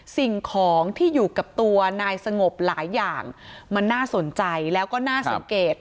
สิ่งของที่อยู่กับตัวนายสงบหลายอย่างมันน่าสนใจแล้วก็น่าสังเกต